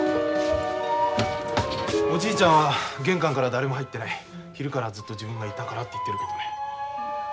おじいちゃんは玄関からは誰も入ってない昼からずっと自分がいたからって言ってるけどね。